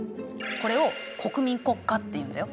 これを国民国家っていうんだよ。